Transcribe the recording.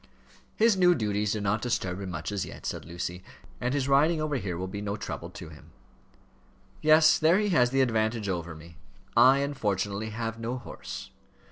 "His new duties do not disturb him much as yet," said Lucy. "And his riding over here will be no trouble to him." "Yes; there he has the advantage over me. I unfortunately have no horse."